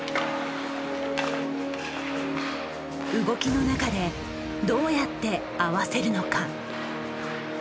動きの中でどうやって合わせるのか。